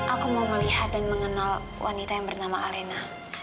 aku mau melihat dan mengenal wanita yang bernama alena